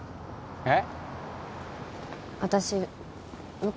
えっ？